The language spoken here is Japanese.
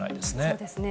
そうですね。